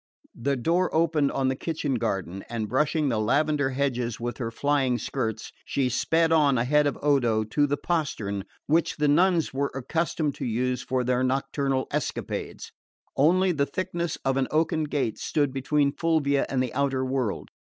The door opened on the kitchen garden, and brushing the lavender hedges with her flying skirts she sped on ahead of Odo to the postern which the nuns were accustomed to use for their nocturnal escapades. Only the thickness of an oaken gate stood between Fulvia and the outer world.